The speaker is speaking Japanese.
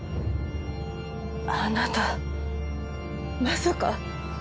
あなたまさか。